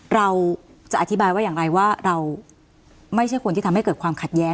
เราจะอธิบายว่าอย่างไรว่าเราไม่ใช่คนที่ทำให้เกิดความขัดแย้ง